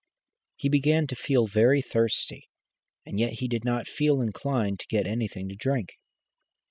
He began to feel very thirsty, and yet he did not feel inclined to get anything to drink.